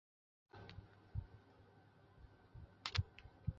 它们栖息在热带或亚热带的低地潮湿森林。